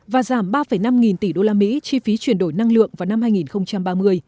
và giảm ba năm nghìn tỷ đô la mỹ chi phí chuyển đổi năng lượng vào năm hai nghìn ba mươi